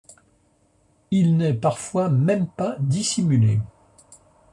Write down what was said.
Il n’est parfois même pas dissimulé.